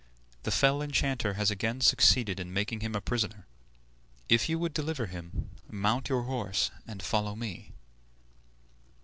The fell enchanter has again succeeded in making him a prisoner. If you would deliver him, mount your horse and follow me."